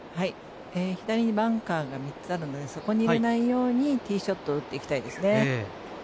左にバンカーが３つあるのでそこに入れないようにティーショットを打っていきたいですね。